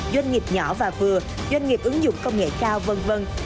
doanh nghiệp nhỏ và vừa doanh nghiệp ứng dụng công nghệ cao v v